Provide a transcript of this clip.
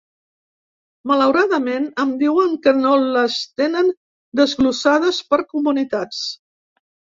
Malauradament, em diuen que no les tenen desglossades per comunitats.